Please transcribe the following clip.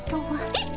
えっ？